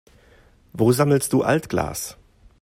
Wo sammelst du Altglas?